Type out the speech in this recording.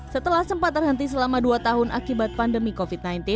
setelah sempat terhenti selama dua tahun akibat pandemi covid sembilan belas